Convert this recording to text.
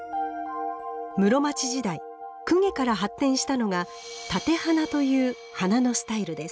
室町時代供華から発展したのが「立て花」という花のスタイルです。